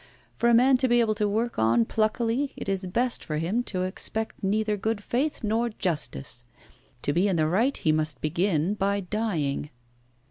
For a man to be able to work on pluckily, it is best for him to expect neither good faith nor justice. To be in the right he must begin by dying.